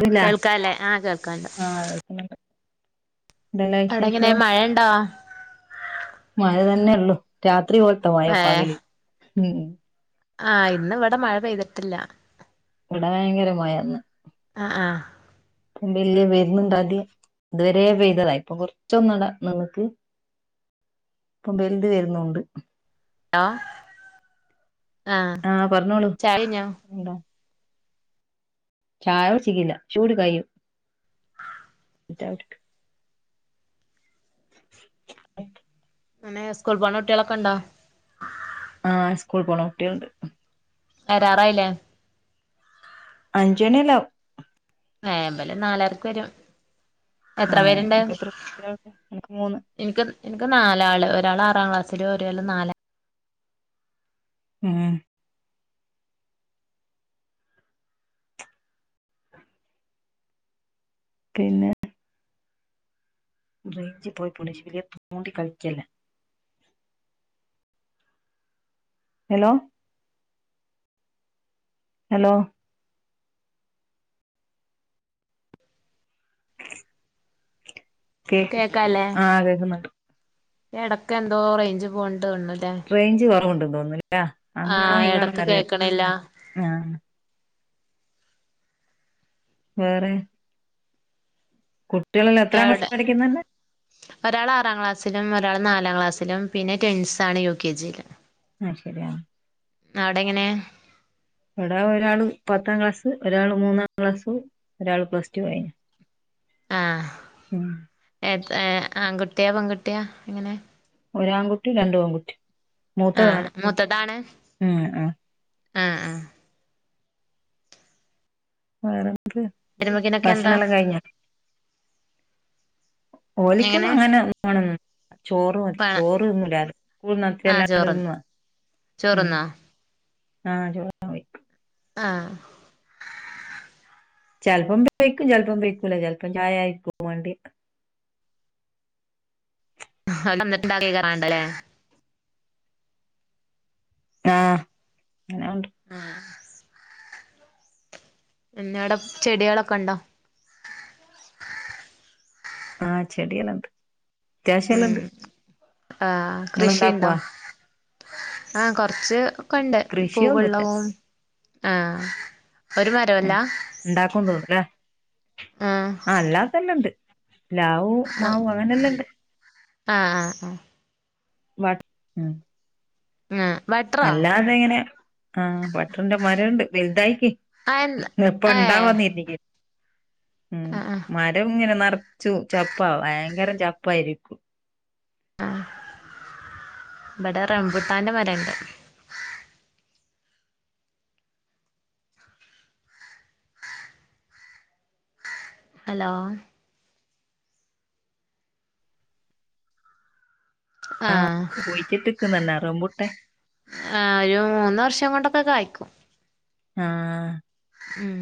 തില്ല കേൾക്കാല്ലേ ആഹ് കേൾക്കാണ്ട് ആ അവിടെ ഇങ്ങനെ മഴ ണ്ടോ? മഴ തന്നെയ ഉള്ളു. രാത്രി പോലത്തെ മഴ ഏഹ് പകല് ഉ ആഹ് ഇന്ന് ഇവിടെ മഴ പെയ്തിട്ടില്ല. ഇവിടെ ഭയങ്കരമായിന്ന്. ആ ആ വലിയ വരുന്നുണ്ടാ ആദ്യം ഇതുവരെ പെയതതാ ഇപ്പൊ കൊറച്ചൊന്നടാ നിന്നക്ക് ഇപ്പം വൽത് വരുന്നുണ്ട്. ഹലോ? ആഹ ആഹ് പറഞ്ഞോളൂ [unintelligible] എന്താ ചായ കുടിച്ചിക്കില്ല. ചൂട് കയു [unintelligible] [unintelligible] സ്കൂൾ പോണ കുട്ടികളൊക്കെ ഉണ്ടോ? ആ സ്കൂൾ പോണ കുട്ട്യള്ണ്ട്. വരാറായില്ലേ? അഞ്ചണിയല്ലവും. യെ മ്പലം നാലാർക്ക് വരും. എത്ര ആഹക്ക് എത്രകുട്ട്യാൾ ണ്ട്? നക് മൂന്ന്. ഇൻക്ക് ഇൻക്ക് നാലാള് ഒരാള് ആറാം ക്ലാസ്സില് ഒരാള് നാലാ ഏഹ്. പിന്നെ റേഞ്ച് പോയി [unintelligible] തോണ്ടി കളിക്കല്ല ഹലോ ഹലോ കേ കേക്കാല്ലേ? ആഹ് കേക്കുന്നുണ്ട് എടക്കെന്തോ റേഞ്ച് പോണ്ട് ണുല്ലേ റേഞ്ച് കൊറവ്ണ്ട് തോന്നുന്നില്ലേ. അങ്ങാണോ ആഹ് എടക്ക് ഇങ്ങാണോന്നറിയല്ല കേക്കണില്ല ആഹ് വേറെ കുട്ടികളെല്ലാം എത്രാം എവിടെ ക്ലാസ്സിൽ പഠിക്കുന്നു എന്ന് ഒരാള് ആറാം ക്ലാസ്സിലും ഒരാള് നാലാം ക്ലാസ്സിലും പിന്നെ ട്വിൻസ് ആണ് യു കെ ജി യില് അത് ശെരിയാ അവടെങ്ങനെ ഇവിടെ ഒരാള് പത്താം ക്ലാസ്സ്‌ ഒരാള് മൂന്നാം ക്ലാസ്സ് ഒരാൾ പ്ലസ് ടു കഴിഞ്ഞു ആഹ് ഉം ഏത് ഏഹ് ആൺകുട്ടിയാ പെൺകുട്ടിയാ എങ്ങനെ ഒരു ആൺകുട്ടി രണ്ടു പെൺകുട്ടി ആഹ് മൂത്തതാണ് മൂത്തതാണ്‌ ഉം ആഹ് ആഹ് ആഹ് [unintelligible] [unintelligible] ക്കെന്താ എങ്ങനെ ഓലിക്കൊന്നുവങ്ങനെ വേണന്നൊന്നും ഇല്ല ചോറ് മതി വേണം ചോറ്ന്നൂല്ല ആഹ് ചോറ്ന്ന് [unintelligible] ഉം ചോറ്ന്നോ ആഹ് ഓർവട്ട പോയി ആഹ്. ചെൽപ്പം ബെയ്‌ക്കും ചെൽപ്പം ബെയ്ക്കൂല ചെൽപ്പം ചായ ആയ്ക്കും വേണ്ടിയേ. അഹ് വന്നിട്ടുണ്ടാക്കിക്കണ്ടല്ലേ ആഹ് അനണ്ട്. ആഹ്. എന്നെവിട ചെടികളൊക്കെണ്ടോ? ആഹ് ചെടിയല്ല ഉണ്ട്. അത്യാവശ്യം എല്ലാം ഉണ്ട് ഉം ആ കൃഷിണ്ടോ നിങ്ങളുണ്ടാക്കുവാ ആഹ് കൊറച്ച്. ക്കൊണ്ട് കൃഷിയൊന്നുല്ല പൂവ്ള്ളതും ആഹ് ഒരു മരോല്ല ഇണ്ടാക്കും തോന്നണ്ല്ലേ ആഹ് അല്ലാത്തന്നേണ്ട്. പ്ലാവൂ മാവു അങ്ങനെല്ലണ്ട്. ആഹ് ആഹ് ആഹ്. വ ഉം ആഹ് ബട്രാ അതെങ്ങനെ. ആഹ് ബട്ടർന്റെ ന്റെ മരണ്ട് വലുതായിക്ക് ആഹ് എപ്പ ഏഹ് ഇണ്ടാവോന്ന് കരുതീക്ക്. ഉം ആഹ് ആഹ് മരം ഇങ്ങനെ നറച്ചു ചപ്പ ഭയങ്കരം ചപ്പായിരിക്കു. ആഹ് ഇബടെ റംബൂട്ടാന്റെ മരണ്ട്. അലോ. ആഹ് കുഴിച്ചിട്ടിക്കുന്നുന്നെ റംബൂട്ടാൻ. ആ ഒരു മൂന്ന് വർഷം കൊണ്ടൊക്കെ കായ്‌ക്കും. ആഹ് ഉം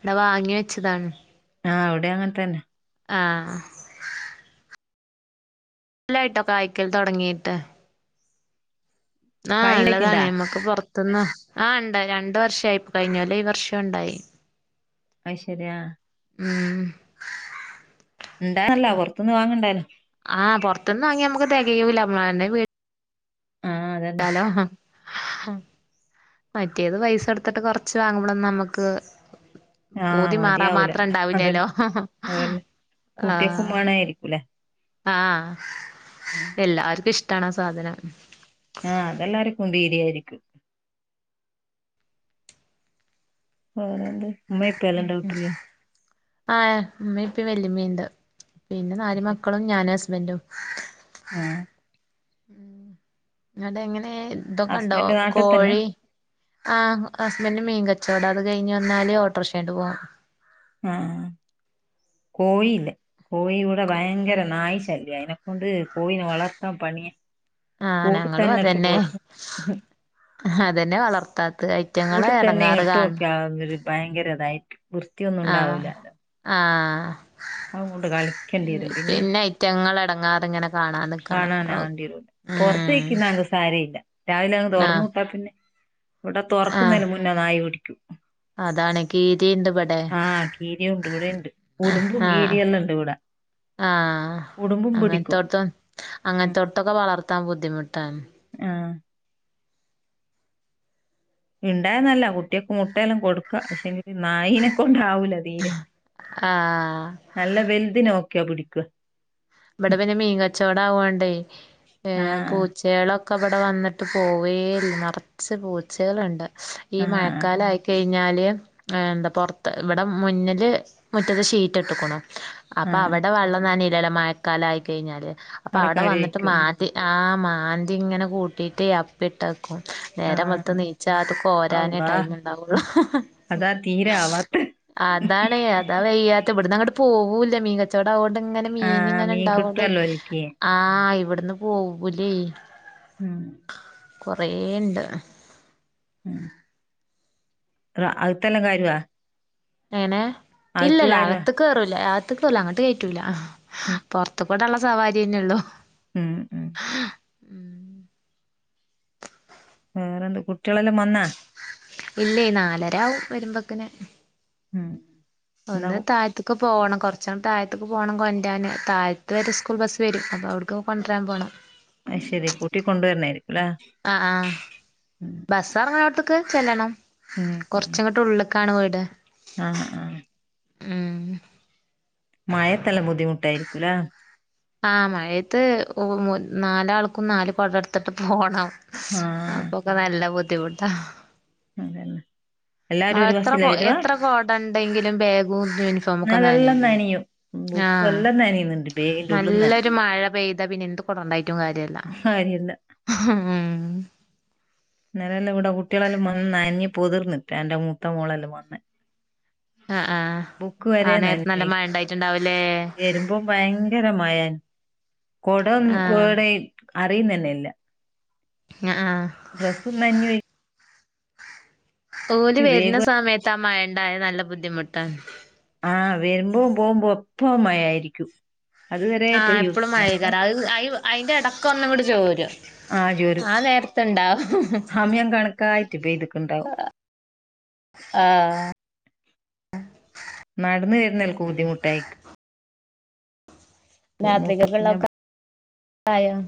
ഇടെ വാങ്ങി വെച്ചതാണ്. ആഹ് അവിടെയങ്ങൻ തന്നെ. ആഹ്. ല്ലായിട്ടോ കായ്ക്കൽ തൊടങ്ങീട്ട് ആഹ് നല്ലതാണ് കായിടക്ക്ണ്ടാ നമ്മക്ക് പുറത്തുനിന്ന് ആണ്ടായി രണ്ടർഷയി കഴിഞ്ഞ കൊല്ലോം ഈ വർഷം ഉണ്ടായി അയിരി ആഹ്. മ്. ഇണ്ടോയർല ഓർക്ക് [unintelligible] ആഹ് പൊർത്ത്ന്ന വാങ്ങിയാമ്മക്ക് തികയൂല്ല നമ്മ വീ ആഹ് അതന്നെ ഹലോ മേം മറ്റേത് പൈസ എടുത്തിട്ട് കൊറച്ച് വാങ്ങ്ബാലെന്നും നമുക്ക് ആഹ് പൂതി മാറാ മതിയാവൂല മാത്രം അതന്നെ ഉണ്ടാവില്ലല്ലോ ഹഹ ഹാ കുല്ലെ ആഹ എല്ലാവർക്കും ഇഷ്ടാണ് അ സാധനം ആഹ് അതെല്ലാരും കൊണ്ട്‌ ഇടെഎരിക് വേറെന്ദ് ഉം ആ ഇമ്മീം, ഇപ്പിം, വെല്ലിമ്മീണ്ട് പിന്നെ നാല് മക്കളും ഞാനു ഹസ്ബന്ഡും ആ ഉം ങ്ങട്ടെ എങ്ങനെ ഇതൊക്കെണ്ടോ ഹസ്ബൻഡ് നാട്ടി തന്നെ കോഴി ആ് ഹസ്ബൻന്ഡറ് മീൻകച്ചവടം അത് കഴിഞ്ഞഞ്ന്നാല് ഓട്ടർ ഷേന്റ്പോവും ആഹ് കോഴി ല്ലേ കോയ്യി ഇവടെ ഭയങ്കര നായിശല്യ അയിന കൊണ്ട് കോഴിനെ വളർത്താ പണിയ ആഹ് കൂട്ട് ഞങ്ങളും തന്നെട്ട് അതന്നെ പ്പോറ്റ ഹ് അതന്നെ വളർത്താത്തത് കൂട് തന്നെ ഇട്ക്കെ ഇവർ ഭയങ്കരതായിട്ട് വൃത്തിയൊന്നും ആഹ് ഇണ്ടാവൂലാലോ ആഹ് കളിക്കേണ്ടി വരും പിന്നെ ഐറ്റങ്ങൾ അടങ്ങാർ ങ്ങനെ കാണാന് നി കാണൻ ആണ്ടീവരൂല പുറത്തേക്കുന്ന അങ് സാരയില്ല രാവിലെ അങ്ങ് ആഹ് തുറന്വിട്ട പിന്നെ ഇവിടെ ആഹ് തുറക്കുന്നതിന് മുന്നേ നായി പിടിക്കു [inaudible] അതാണ് കീരിണ്ട് ഇബടെ ആഹ് കീരിയുണ്ട് ഇവിടെണ്ട് ഉടുമ്പും ഹാ കീരിയെല്ലാം ഇണ്ട് ഇവിടെ ആഹ ഉടുമ്പും പിടിക്കും അങ്ങനത്തോടത്ത ഉം അങ്ങനത്തോടത്തൊക്കെ വളർത്താൻ ബുദ്ധിമുട്ടാണ്. ആഹ് ഇണ്ടായന്നല്ല കുട്ടികക്ക് മുട്ടെല്ലാം കൊടുക്കും. പക്ഷെങ്ക നായിനെ കൊണ്ടാവൂല തീരെ. ആഹ് നല്ല വെലുത നോക്കിയാ പിടിക്ക ഇവിടെ പിന്നെ മീൻകച്ചവട ആവണ്ടേ ഏ ആഹ് പൂച്ച കുട്ടിളൊക്കെ ഇവിടെ വന്നിട്ട് പോവേല്ല നറച്ച് പൂച്ചകളുണ്ട്. ഈ ആഹ് മഴക്കാല ആയി കഴിഞ്ഞാല് എന്താ പുറത്ത് ഇവിടെ മുന്നില് മുറ്റത്ത് ഷീറ്റ് ഇട്ടുക്കുനു ആഹ് അപ്പൊവടെ വെള്ളം നനീലല്ലോ മഴക്കാല ആയി കഴിഞ്ഞാല് അപ്പൊ അവിടെ വന്നിട്ട് മാറ്റ ആ മാന്തിങ്ങനെ കൂട്ടിയിട്ട് അപ്പിട്ട പ്പെ നേരം വെള്ത് ആഹ് നീച അത് കോരനെ അള്ളാ ടൈം ണ്ടാക്കൊള്ളൂ ഹ ഹ അതാ തീരെ ആവാത്ത് അതാണ് അതാ വയ്യാത്ത ഇവിടന്ന് അങ്ങോട്ട് പോവൂല്ല മീ കച്ചോടവോണ്ട് ഇങ്ങനെ മീൻ ആഹ് ഇങ്ങനെ ഇണ്ടാവോണ്ട് കിട്ടുവല്ലോ ഓൽക്ക് ആഹ് ഇവിടുന്ന് പോവുലെ മ് കൊറെണ്ട് ഉം അത്തെല്ലാം കാര്വാ എങ്ങനെഇല്ല ല്ലാ കാര്യവാ അകത്തക്ക് കേറുല്ല അകത്തക്ക്ല്ല അങ്ങോട്ട് കയറ്റൂല്ല ഉം പുറത്ത് ഇവിടെള്ള സവാരിന്നെള്ളൂ മ് മ് ആഹ് വേറെന്ത് കുട്ടികളെല്ലാം വന്നാ? ഇല്ലേ നാലരവും വരുമ്പോക്കിന് മ് ഒന്ന് താഴത്ത് ക്ക് പോകണം കുറച്ണ്ട് താഴത്തേക്ക് പോകണം കൊണ്ടാന് താഴത്ത് വരെ സ്കൂൾ ബസ്സ് വരും അപ്പോൾ അവിടുക്ക് കൊണ്ടരാൻ പോണം അയ് ശരികൂട്ടി കൊണ്ട് വന്നതായിരിക്കുംലെ ആ ആ ബസ്സ് ഇറങ്ങനോട്ത് ക്ക് ചെല്ലണം. ഉം കൊറച്ചങ്ങോട്ട് ഉള്ളക്ക- കാണു വീട് ആഹ് ആ ആഹ ഉം മഴത്തെല്ലാം ബുദ്ധിമുട്ടായിരിക്കൂലെ ആ മഴയത്ത് നാലാൾക്കും നാല് കൊടടുത്തിട്ട് പോണം ആഹ് പ്പ നല്ല ബുദ്ധിമുട്ടാ അതന്നെ എല്ലാരും ഒരു ആഹ്എത്ര ബസ്സിലാ വരുവാ കോഎത്ര കോട ണ്ടെങ്കിലും ബാഗും യൂണിഫോമക്കെ എന്നാലെല്ലാം നാനേയില്ലേ നനയും ബുക്കും ആഹ് എല്ലാം നനയുന്നുണ്ട് ബേഗിന്റെ ഉള്ളിന്ന് തന്നെ നല്ലൊരു മഴ പെയ്താ പിന്നെ എന്ത് ഗുണം ഉണ്ടായിട്ടും കാര്യല്ല കാര്യല്ല ഹം നിരല്ലാം ഇവിടെ കുട്ടിളെല്ലാം വന്ന് നനഞ്ഞ പൊതിർന്നിട്ട് എന്റെ മൂത്ത മോളെല്ലാം വന്ന്. ആ് ആഹ് ബുക്ക് ആ വരെ നേരത്തെ നല്ല മഴ ഉണ്ടായിട്ടുണ്ടാവല്ലേ ഇപ്പൊ ഭയങ്കരമായൻ കൊട ആഹ് ടെ അറിയുന്ന തന്നെ ഇല്ല. ആ ആ ഡ്രസ്സ്നനഞൊയ് ഓല് വരുന്ന വേഗം സമയത്ത് ആ മഴണ്ടായ നല്ല ബുദ്ധിമുറ്റാണ് ആഹ് വരുമ്പോ പോകുമ്പോ എപ്പ മായായിരിക്കും ആഹ എപ്പളും മയായ്കാരം അ അ അതിന്റെ ഇടക്ക ഒന്നങ്ങോട്ട് ചോരും ആഹ് ചോരും ആ നേരത്തണ്ടാവും. സമയം കണക്കായിട്ട് പെയ്തിട്ടുണ്ടാവും ആഹ നടന്ന് വരുന്നേൽകു ബുദ്ധിമുട്ടായികു രാത്രി മൂത്ത പിന്നെ കകൊള്ളതൊക്കെ ആയോ ഉ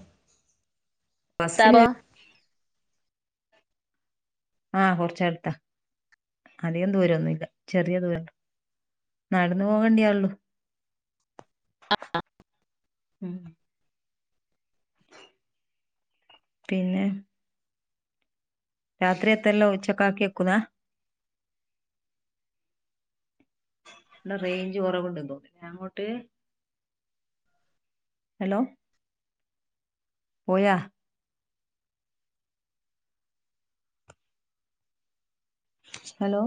ബസ്സില് ആഹ് കൊറച്ചടുത്താ. അധികം ദൂരന്നുല്ല ചെറിയ ദൂര.. നടുന്ന് പോകണ്ടിയള്ളു. പിന്നെ രാത്രിതല്ലാം ഉച്ചക്കാക്കി വക്കുന്നാ ഇടെ റേഞ്ച് കൊറവുണ്ട് തോ അങ്ങോട്ട് ഹലോ പോയ ഹലോ